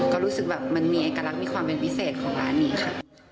ก็รู้สึกแบบมันมีเอกลักษณ์มีความเป็นพิเศษของร้านนี้ค่ะ